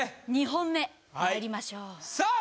２本目まいりましょうさあ